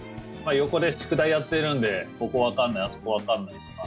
横で宿題やっているんでここわかんないあそこわかんないとか。